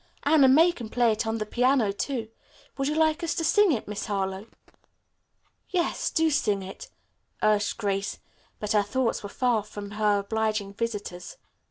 "Anna May can play it on the piano, too. Would you like us to sing it, Miss Harlowe?" "Yes, do sing it," urged Grace, but her thoughts were far from her obliging visitors.